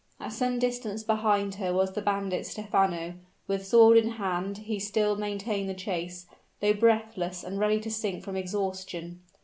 At some distance behind her was the bandit Stephano; with sword in hand he still maintained the chase, though breathless and ready to sink from exhaustion.